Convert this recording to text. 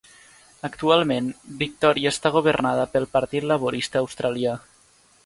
Actualment Victoria està governada pel Partit Laborista Australià.